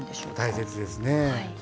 大切ですね。